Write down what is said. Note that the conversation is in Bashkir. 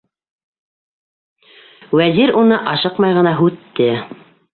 Вәзир уны ашыҡмай ғына һүтте.